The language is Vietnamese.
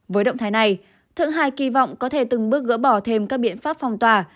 với động thái này thượng hải kỳ vọng có thể từng bước gỡ bỏ thêm các biện pháp phòng tỏa